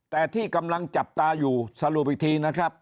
แต่ที่กำลังจับตาอยู่สรุปอีกทีนะครับ